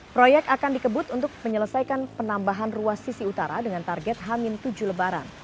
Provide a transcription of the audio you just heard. proyek akan dikebut untuk menyelesaikan penambahan ruas sisi utara dengan target hamil tujuh lebaran